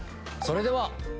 それでは。